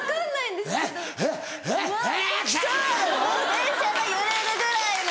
電車が揺れるぐらいの。